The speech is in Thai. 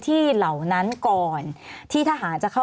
สวัสดีครับทุกคน